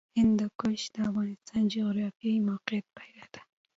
هندوکش د افغانستان د جغرافیایي موقیعت پایله ده.